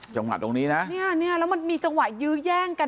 จังหวัดตรงนี้นะเนี่ยแล้วมันมีจังหวะยื้อแย่งกัน